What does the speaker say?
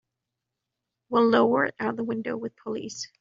We'll lower it out of the window with pulleys.